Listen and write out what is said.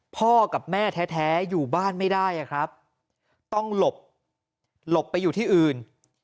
พ่อกับแม่แท้อยู่บ้านไม่ได้อะครับต้องหลบหลบไปอยู่ที่อื่น